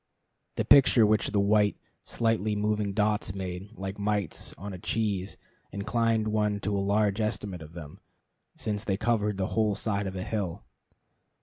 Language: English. The picture which the white, slightly moving dots made, like mites on a cheese, inclined one to a large estimate of them, since they covered the whole side of a hill.